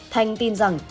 thanh tin rằng